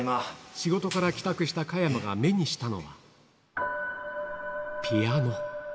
仕事から帰宅した加山が目にしたのは、ピアノ。